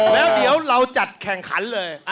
แล้วเดี๋ยวเราจัดแข่งขันเลย